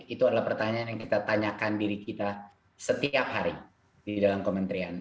itu adalah pertanyaan yang kita tanyakan diri kita setiap hari di dalam kementerian